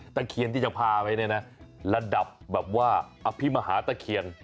ตะเคียนที่จะพาไปเนี่ยนะระดับแบบว่าอภิมหาตะเคียน